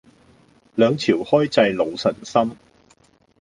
兩朝開濟老臣心